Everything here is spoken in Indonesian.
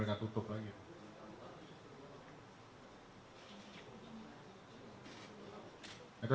nah yaudah nanti tunggu dari sana ada